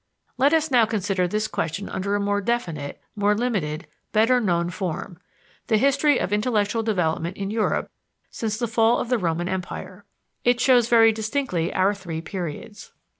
Let us now consider this question under a more definite, more limited, better known form the history of intellectual development in Europe since the fall of the Roman Empire. It shows very distinctly our three periods.